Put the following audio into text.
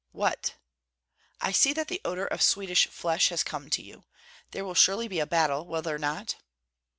"What?" "I see that the odor of Swedish flesh has come to you. There will surely be a battle, will there not?"